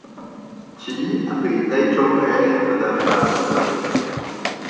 Tŷ a beudai to gwellt oedd ar fferm Dafydd.